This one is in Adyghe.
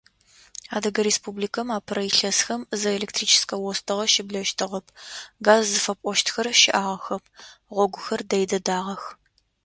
Адыгэ Республикэм апэрэ илъэсхэм зы электрическэ остыгъэ щыблэщтыгъэп, газ зыфэпӏощтхэр щыӏагъэхэп, гъогухэр дэй дэдагъэх.